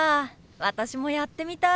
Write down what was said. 私もやってみたい。